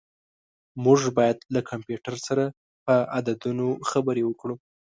موږ باید له کمپیوټر سره په عددونو خبرې وکړو.